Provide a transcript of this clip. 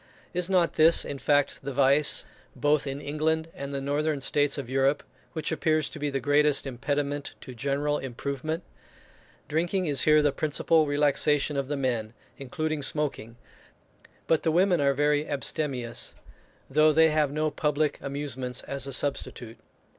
Is not this, in fact, the vice, both in England and the northern states of Europe, which appears to be the greatest impediment to general improvement? Drinking is here the principal relaxation of the men, including smoking, but the women are very abstemious, though they have no public amusements as a substitute.